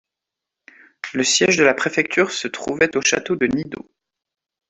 Le siège de la préfecture se trouvait au château de Nidau.